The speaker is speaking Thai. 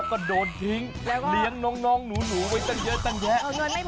ไม่ต้องหาทางแก้สิครับ